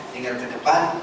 tinggal ke depan